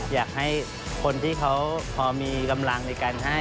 อยากให้คนที่เขาพอมีกำลังในการให้